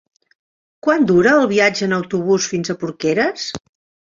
Quant dura el viatge en autobús fins a Porqueres?